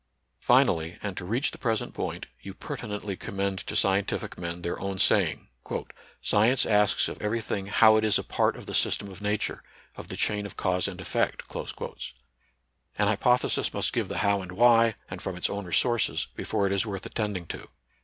Finally, and to reach the present point, you pertinently commend to scientific men their own saying :" Science asks of every thing how 70 NATURAL SCIENCE AND RELIGION. it is a part of the system of Nature, of the chain of cause and eflfect." An hypothesis must give the how and why, and from its own resources, before it is worth attending to.